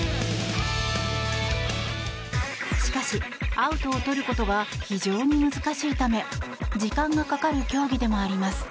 しかし、アウトを取ることは非常に難しいため時間がかかる競技でもあります。